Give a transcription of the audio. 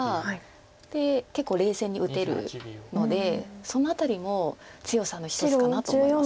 で結構冷静に打てるのでその辺りも強さの一つかなと思います。